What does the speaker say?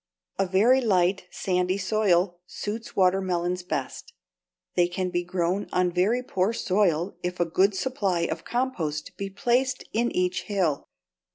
A very light, sandy soil suits watermelons best. They can be grown on very poor soil if a good supply of compost be placed in each hill.